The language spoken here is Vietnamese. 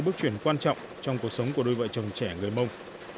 nông thôn mới quan trọng trong cuộc sống của đôi vợ chồng trẻ người mông